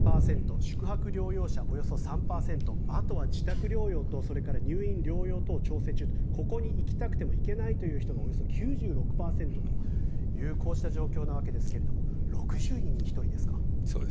宿泊療養者、およそ３％あとは自宅療養とそれから入院・療養等調整中ここに行きたくても行けない人がおよそ９６％というこうした状況なわけですが６０人に１人ですか。